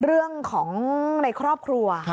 เรื่องของในครอบครัว